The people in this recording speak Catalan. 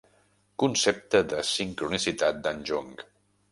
Concepte de sincronicitat de"n Jung.